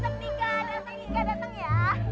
nanti nikah datang ya